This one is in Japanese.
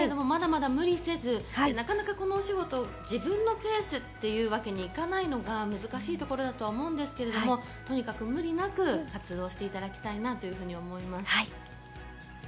無理せず、なかなかこのお仕事は、自分のペースというわけにいかないのが難しいところだと思いますが、無理なく活動していただきたいと思います。